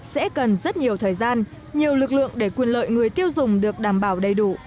sẽ cần rất nhiều thời gian nhiều lực lượng để quyền lợi người tiêu dùng được đảm bảo đầy đủ